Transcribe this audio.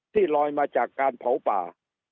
ลอยมาจากการเผาป่า